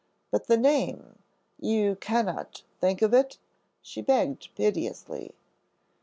"But the name, you cannot think of it?" she begged piteously.